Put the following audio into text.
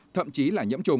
thậm chí là nhiễm trùng